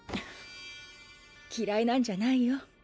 嫌いなんじゃないよ。